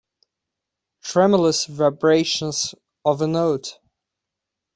Tremulous vibration of a note.